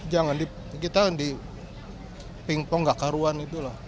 jangan di ping pong gak keharuan gitu loh